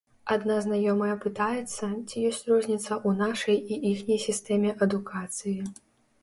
Адна знаёмая пытаецца, ці ёсць розніца ў нашай і іхняй сістэме адукацыі.